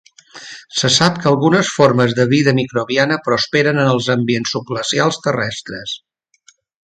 Se sap que algunes formes de vida microbiana prosperen en els ambients subglacials terrestres.